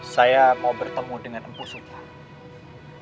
saya mau bertemu dengan empu sudah